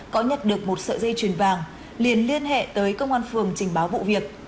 có nhặt được một sợi dây truyền vàng liên liên hệ tới công an phường trình báo vụ việc